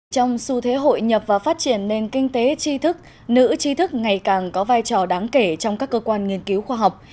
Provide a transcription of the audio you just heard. trong xu thế hội nhập và phát triển nền kinh tế tri thức nữ chi thức ngày càng có vai trò đáng kể trong các cơ quan nghiên cứu khoa học